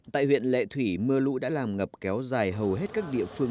tại huyện lệ thủy mưa lũ đã làm ngập kéo dài hầu hết các địa phương